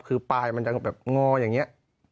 คือปลายมันจะแบบงออย่างนี้